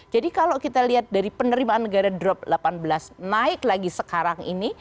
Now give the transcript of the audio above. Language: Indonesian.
jadi kalau kita lihat dari penerimaan negara drop delapan belas naik lagi sekarang ini